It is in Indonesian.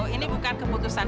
ini bukan keputusan